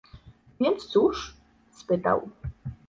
Więc cóż? — spytał.